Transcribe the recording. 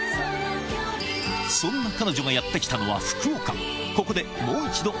そんな彼女がやって来たのは福岡。